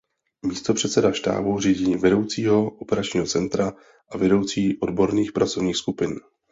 Místopředseda štábu řídí vedoucího operačního centra a vedoucí odborných pracovních skupin.